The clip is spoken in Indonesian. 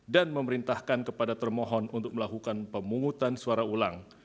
dan memerintahkan kepada termohon untuk melakukan pemungutan suara ulang